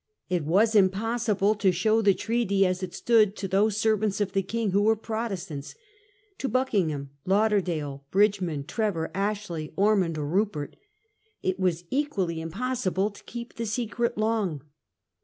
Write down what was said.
It was The sham impossible to show the treaty as it stood to treaty, janu those servants of the king who were Protes 1 7I * tants — to Buckingham, Lauderdale, Bridge man, Trevor, Ashley, Ormond, or Rupert ; it was equally impossible to keep the secret long.